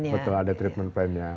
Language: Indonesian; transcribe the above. betul ada treatment plannya